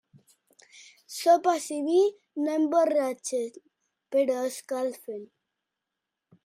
Sopes i vi no emborratxen, però escalfen.